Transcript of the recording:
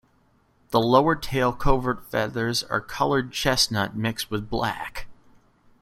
The lower tail-covert feathers are coloured chestnut mixed with black.